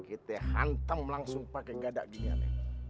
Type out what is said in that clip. kita hantam langsung pakai gada gini ya nih